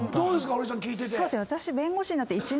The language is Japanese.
堀井さん聞いてて。